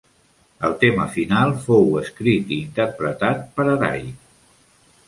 El tema final fou escrit i interpretat per Arai.